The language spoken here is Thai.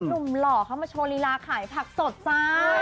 หล่อเขามาโชว์ลีลาขายผักสดจ้า